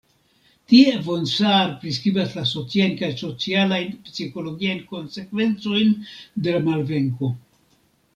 Tie von Saar priskribas la sociajn kaj socialajn-psikologiajn konsekvencojn de la malvenko.